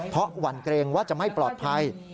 เพราะหวั่นเกรงว่าจะไม่ปลอดภัย